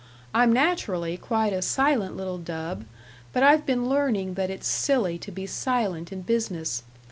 I'm naturally quite a silent little dub, but I've been learning that it's silly to be silent in business.